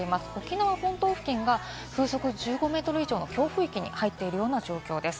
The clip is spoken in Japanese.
沖縄本島付近は風速１５メートル以上の強風域に入っているような状況です。